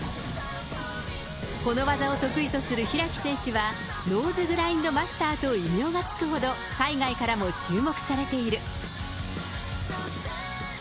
この技を得意とする開選手は、ノーズグラインド・マスターと異名が付くほど海外からも注目されている。